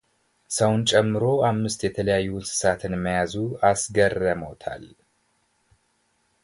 ሰውን ጨምሮ አምስት የተለያዩ እንስሳትን መያዙ አስገረሞታል፡፡